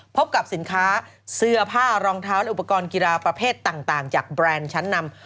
พบกับสินค้าเสื้อผ้ารองเท้าและอุปกรณ์กีฬาประเภทต่างจากแบรนด์ชั้นนำ